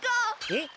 えっ！？